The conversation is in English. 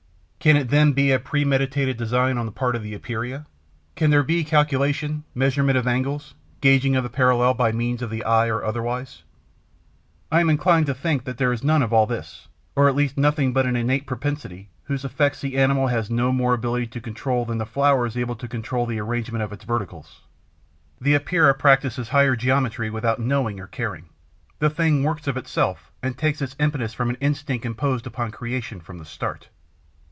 Can it then be a premeditated design on the part of the Epeira? Can there be calculation, measurement of angles, gauging of the parallel by means of the eye or otherwise? I am inclined to think that there is none of all this, or at least nothing but an innate propensity, whose effects the animal is no more able to control than the flower is able to control the arrangement of its verticils. The Epeira practises higher geometry without knowing or caring. The thing works of itself and takes its impetus from an instinct imposed upon creation from the start.